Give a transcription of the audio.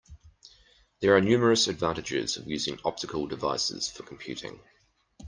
There are numerous advantages of using optical devices for computing.